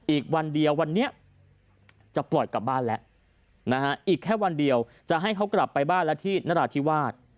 อีกวันเดียววันนี้จะปล่อยกลับบ้านแล้วนะฮะอีกแค่วันเดียวจะให้เขากลับไปบ้านแล้วที่นราธิวาส